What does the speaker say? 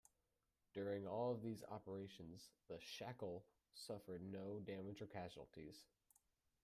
During all of these operations the "Shackle" suffered no damage or casualties.